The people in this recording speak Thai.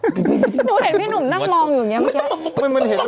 หนูเห็นพี่หนุ่มนั่งมองอยู่อย่างนี้เมื่อกี้